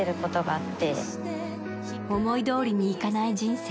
思いどおりにいかない人生。